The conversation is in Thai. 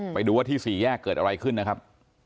ไปดูว่าที่สี่แยกเกิดอะไรขึ้นนะครับ